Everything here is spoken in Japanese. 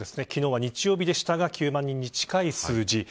昨日は日曜日でしたが９万人に近い数字。